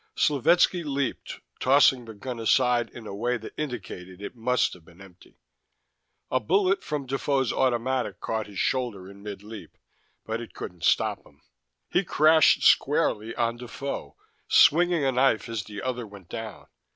Slovetski leaped, tossing the gun aside in a way that indicated it must have been empty. A bullet from Defoe's automatic caught his shoulder in mid leap, but it couldn't stop him. He crashed squarely on Defoe, swinging a knife as the other went down.